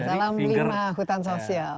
salam lima hutan sosial